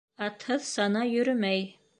Атһыҙ сана йөрөмәй.